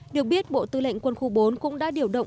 được biết bộ tư lệnh quân khu bốn cũng đã điều động